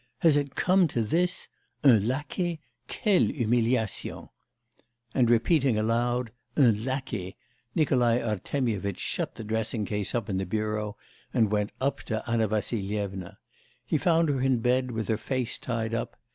Has it come to this!... Un laquais! Quelle humiliation!' And repeating aloud: 'Un laquais!' Nikolai Artemyevitch shut the dressing case up in the bureau, and went up to Anna Vassilyevna. He found her in bed with her face tied up.